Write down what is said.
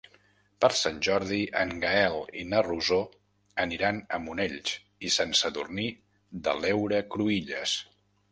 Per Sant Jordi en Gaël i na Rosó aniran a Monells i Sant Sadurní de l'Heura Cruïlles.